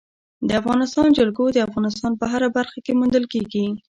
د افغانستان جلکو د افغانستان په هره برخه کې موندل کېږي.